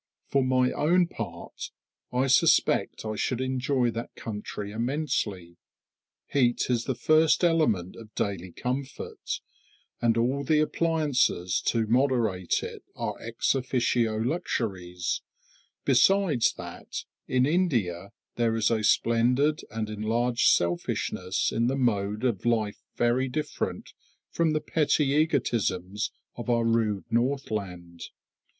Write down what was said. For my own part, I suspect I should enjoy that country immensely. Heat is the first element of daily comfort, and all the appliances to moderate it are ex officio luxuries; besides that in India there is a splendid and enlarged selfishness in the mode of life very different from the petty egotisms of our rude Northland.